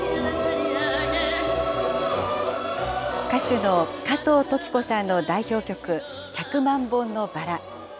歌手の加藤登紀子さんの代表曲、百万本のバラ。